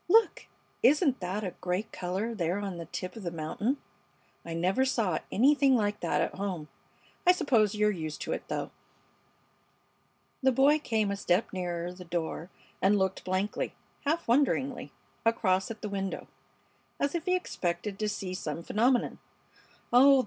"Look! Isn't that a great color there on the tip of the mountain? I never saw anything like that at home. I suppose you're used to it, though." The boy came a step nearer the door and looked blankly, half wonderingly, across at the window, as if he expected to see some phenomenon. "Oh!